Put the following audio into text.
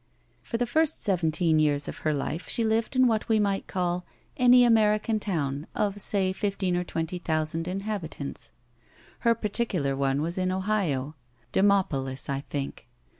For the first seventeen years of her life she Kved in what we might call Any American Town of, say, fifteen or twenty thousand inhabitants. Her par tioular one was in Ohio. Demopolis, I think.